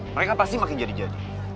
mereka pasti makin jadi jadi